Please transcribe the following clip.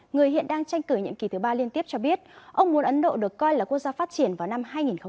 người hiện đang tranh cử nhiệm kỳ thứ ba liên tiếp cho biết ông muốn ấn độ được coi là quốc gia phát triển vào năm hai nghìn một mươi năm